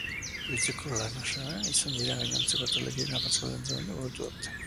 Goizeko lan saioan izan dira gainontzeko taldekideekin eta arratsaldean ere entrenamendua burutuko dute.